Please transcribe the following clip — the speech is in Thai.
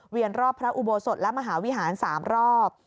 รอบพระอุโบสถและมหาวิหาร๓รอบ